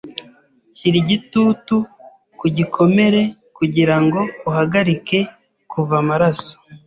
Shyira igitutu ku gikomere kugirango uhagarike kuva amaraso.